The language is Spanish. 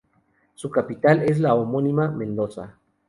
Su capital es la homónima Mendoza.